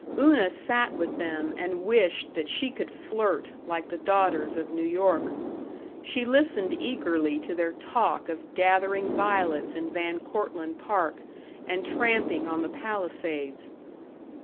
Una sat with them and wished that she could flirt like the daughters of New York. She listened eagerly to their talk of gathering violets in Van Cortlandt Park and tramping on the Palisades.